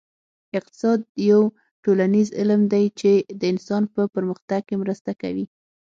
اقتصاد یو ټولنیز علم دی چې د انسان په پرمختګ کې مرسته کوي